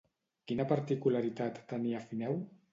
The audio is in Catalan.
Quina particularitat tenia Fineu?